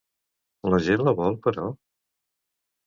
La gent la vol, però?